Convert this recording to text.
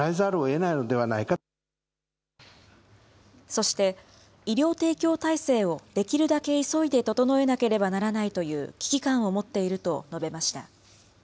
そして、医療提供体制をできるだけ急いで整えなければならないという危機感を持っていると述べました。